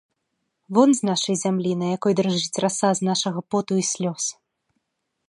Вон з нашай зямлі, на якой дрыжыць раса з нашага поту і слёз!